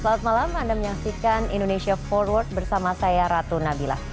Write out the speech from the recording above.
selamat malam anda menyaksikan indonesia forward bersama saya ratu nabila